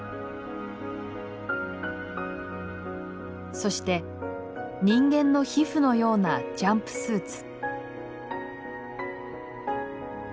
そして人間の皮膚のようなジャンプスーツ。